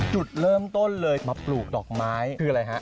จุดเริ่มต้นเลยมาปลูกดอกไม้คืออะไรฮะ